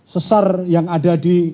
sesar yang ada di